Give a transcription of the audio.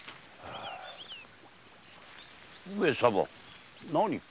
上様何か？